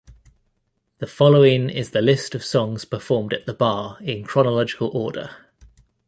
The following is the list of songs performed at the bar in chronological order.